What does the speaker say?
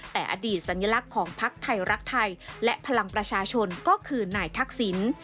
แต่อดีตสัญลักษณ์ของพักไทยรักไทยและพลังประชาชนก็คือนายทักษิณ